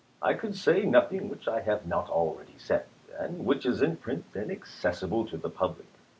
I could say nothing which I have not already said, and which is in print, and accessible to the public.